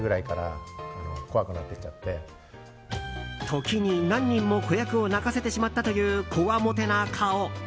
時に何人も子役を泣かせてしまったというこわもてな顔。